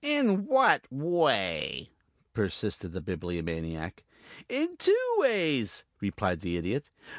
"In what way?" persisted the Bibliomaniac. "In two ways," replied the Idiot.